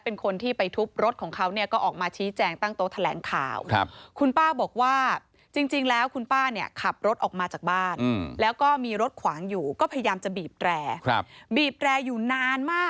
รอทรัพย์สินขายหรือเปล่า